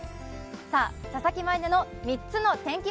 さあ、佐々木舞音の３つの天気